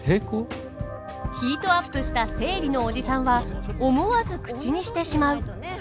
ヒートアップした生理のおじさんは思わず口にしてしまう！